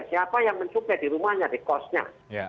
siapa yang mencukai di rumahnya di kosnya